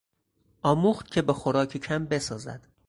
آموخت که به خوراک کم بسازد.